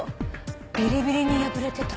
ビリビリに破れてた。